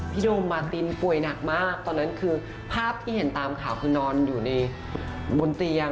โดมมาตินป่วยหนักมากตอนนั้นคือภาพที่เห็นตามข่าวคือนอนอยู่ในบนเตียง